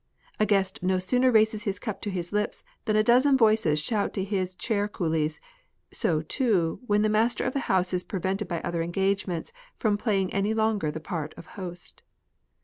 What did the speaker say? A guest no sooner raises the cup to his lips than a dozen voices shout to his chair coolies ; so, too, when the master of the house is prevented by other engagements from play ing any longer the part of host.